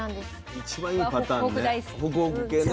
一番いいパターンね。